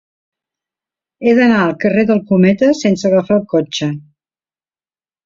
He d'anar al carrer del Cometa sense agafar el cotxe.